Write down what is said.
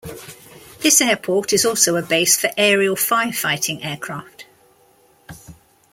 This airport is also a base for aerial firefighting aircraft.